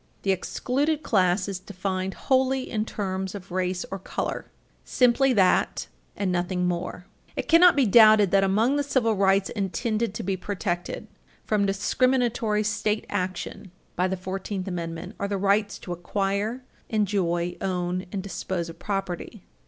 The excluded class is defined wholly in terms of race or color; "simply that, and nothing more." [Footnote 6] It cannot be doubted that among the civil rights intended to be protected from discriminatory state action by the Fourteenth Amendment are the rights to acquire, enjoy, own and dispose of property.